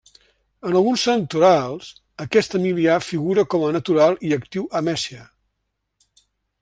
En alguns santorals, aquest Emilià figura com a natural i actiu a Mèsia.